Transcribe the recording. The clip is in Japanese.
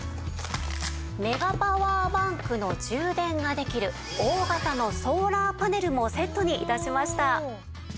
メガパワーバンクの充電ができる大型のソーラーパネルもセットに致しました。